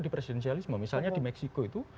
di presidensialisme misalnya di meksiko itu